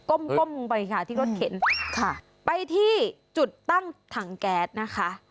้มก้มลงไปค่ะที่รถเข็นค่ะไปที่จุดตั้งถังแก๊สนะคะ